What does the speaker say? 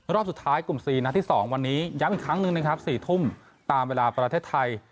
รอบสุดท้ายกลุ่ม๔นัดที่๒วันนี้ย้ำอีกครั้งหนึ่งนะครับ๔ทุ่มตามเวลาประเทศไทย